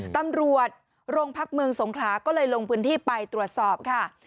ตำรวจโรงพักเมืองสงขลาก็เลยลงพื้นที่ไปตรวจสอบค่ะ